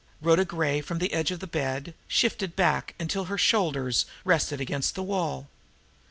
Rhoda Gray, from the edge of the bed, shifted back until her shoulders rested against the wall.